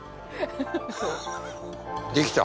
できた！